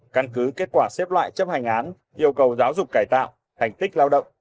căn cứ kết quả xếp loại chấp hành án yêu cầu giáo dục cải tạo thành tích lao động